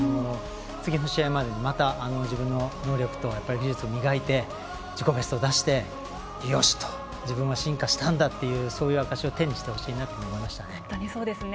次の試合までにまた自分の能力と技術を磨いて自己ベストを出して、よし！と自分は進化したんだという証しを手にしてもらいたいなと思いましたね。